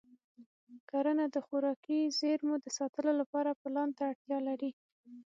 کرنه د خوراکي زېرمو د ساتلو لپاره پلان ته اړتیا لري.